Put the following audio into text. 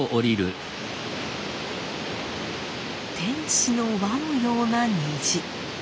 天使の輪のような虹。